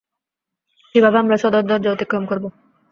কীভাবে আমরা সদর দরজা অতিক্রম করব?